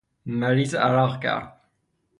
مریض عرق کرد.